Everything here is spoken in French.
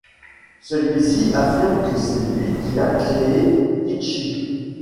Celui-ci affirme que c'est lui qui a créé Itchy.